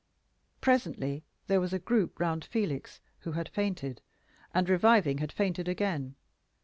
Presently there was a group round Felix, who had fainted, and, reviving, had fainted again.